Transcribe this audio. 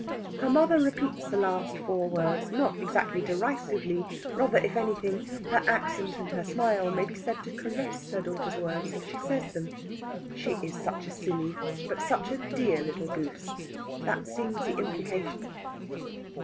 Her mother repeats the last four words, not exactly derisively rather, if anything, her accent and her smile may be said to caress her daughter's words as she says them. She is such a silly, but such a dear little goose that seems the implication.